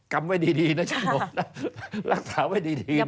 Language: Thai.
ค้ำไว้ดีนะฉโนตรักษาไว้ดีนะ